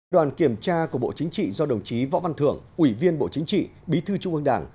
đoàn kiểm tra của bộ chính trị do đồng chí võ văn thưởng ủy viên bộ chính trị bí thư trung ương đảng